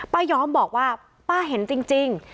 ยอมบอกว่าป้าเห็นจริง